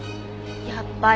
やっぱり。